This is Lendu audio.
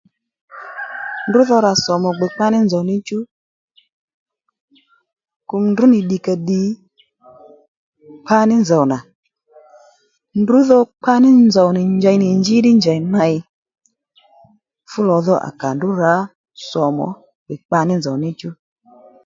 Ndrǔ dho rà sǒmù ò gbè kpaní nzòw níchú kùm ndrǔ nì ddìkàddì kpaní nzòw nà ndrǔ dho kpaní nzòw njey nì njí ddi njèy ney fú lò dho à kà ndrǔ rǎ sòmù ò gbè kpaní nzòw níchú